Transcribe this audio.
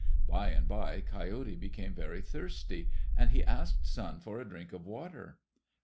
By and by Coyote became very thirsty, and he asked Sun for a drink of water.